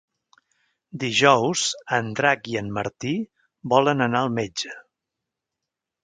Dijous en Drac i en Martí volen anar al metge.